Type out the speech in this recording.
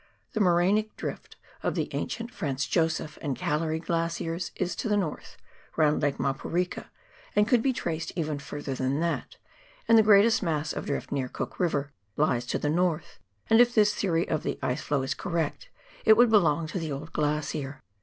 The morainic drift of the ancient Franz Josef and Gallery Glaciers is to the north, round Lake Maporika, and could be traced even farther than that ; and the greatest mass of drift near Cook River lies to the north, and if this theory of the ice flow is correct, it would belong to the old glacier.